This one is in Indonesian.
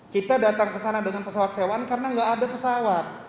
kita datang ke sana dengan pesawat sewaan karena nggak ada pesawat